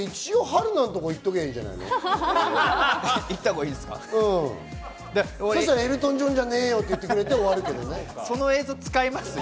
一応、春菜のところ行っておけばいいんじゃないの？エルトン・ジョンじゃねえよ！って言ってくれて終わるけどね。